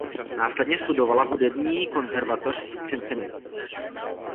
Následně studovala hudební konzervatoř v Cincinnati.